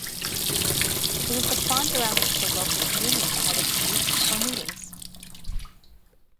It was the font around which the local community held its moots or meetings.